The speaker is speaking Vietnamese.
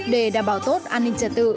để đảm bảo tốt an ninh trật tự